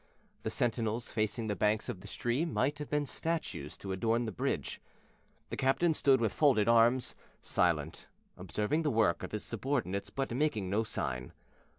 The sentinels, facing the banks of the stream, might have been statues to adorn the bridge. The captain stood with folded arms, silent, observing the work of his subordinates, but making no sign.